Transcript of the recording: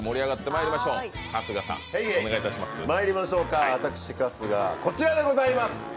まいりましょうか、私春日、こちらでございます！